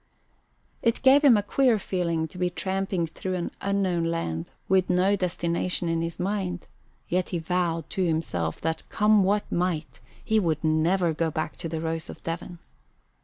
It gave him a queer feeling to be tramping through an unknown land with no destination in his mind, yet he vowed to himself that, come what might, he would never go back to the Rose of Devon.